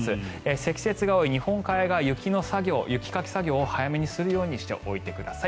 積雪が多い日本海側雪の作業、雪かき作業を早めにするようにしておいてください。